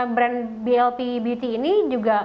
brand blp bt ini juga